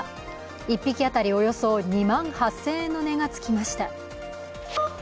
１匹当たりおよそ２万８０００円の値がつきました。